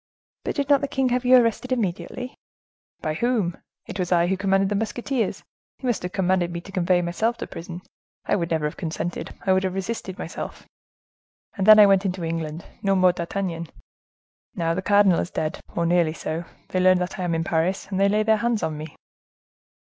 "But did not the king have you arrested immediately?" "By whom? It was I who commanded the musketeers; he must have commanded me to convey myself to prison; I would never have consented: I would have resisted myself. And then I went into England—no more D'Artagnan. Now, the cardinal is dead, or nearly so, they learn that I am in Paris, and they lay their hands on me."